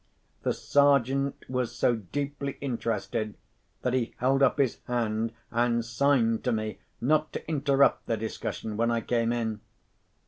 The Sergeant was so deeply interested that he held up his hand, and signed to me not to interrupt the discussion, when I came in.